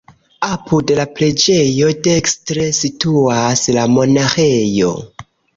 Apud la preĝejo dekstre situas la monaĥejo.